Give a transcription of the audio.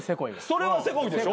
それはセコいでしょ？